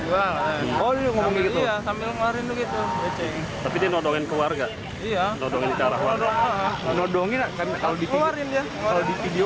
gua ngomong gitu ya tapi di nodongin keluarga iya nodongin kalau di video kan cuma di gitu